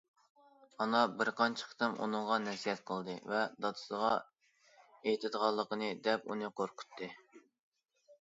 ئانا بىر قانچە قېتىم ئۇنىڭغا نەسىھەت قىلدى ۋە دادىسىغا ئېيتىدىغانلىقىنى دەپ ئۇنى قورقۇتتى.